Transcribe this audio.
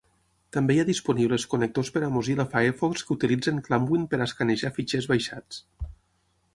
També hi ha disponibles connectors per a Mozilla Firefox que utilitzen ClamWin per escanejar fitxers baixats.